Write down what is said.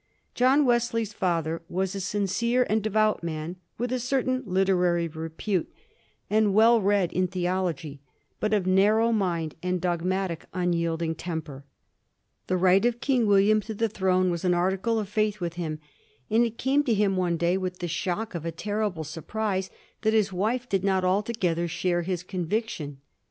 John Wesley's father was a sincere and de vout man, with a certain literary repute and well read in 128 A HISTORY OP THE FOUR GEORGES. ch. xxx. theology, but of narrow mind and dogmatic, unyielding temper. The right of King William to the Throne was an article of faith with him, and it came on him one day with the shock of a terrible surprise that his wife did not altogether share his conviction.